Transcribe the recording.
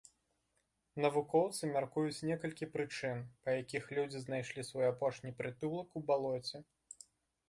Навукоўцы мяркуюць некалькі прычын, па якіх людзі знайшлі свой апошні прытулак у балоце.